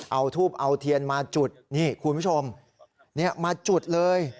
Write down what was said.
เอาทูบเอาเทียนมาจุดนี่คุณผู้ชมมาจุดเลย